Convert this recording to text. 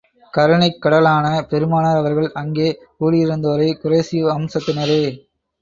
கருணைக் கடலான பெருமானார் அவர்கள் அங்கே கூடியிருந்தோரை குறைஷி வம்சத்தினரே!